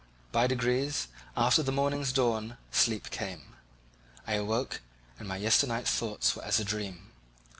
By degrees, after the morning's dawn, sleep came. I awoke, and my yesternight's thoughts were as a dream.